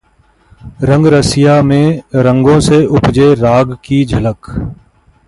'रंग रसिया' में रंगों से उपजे राग की झलक